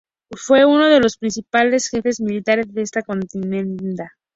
Fue uno de los principales jefes militares de esta contienda.